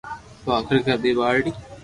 پوءِ آخرڪار، ٻي ٻارڙي؛